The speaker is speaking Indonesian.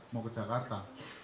mau ke jakarta